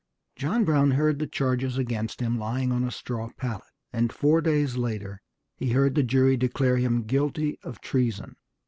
John Brown heard the charges against him lying on a straw pallet, and four days later he heard the jury declare him guilty of treason.